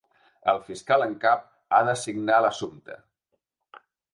El fiscal en cap ha d’assignar l’assumpte.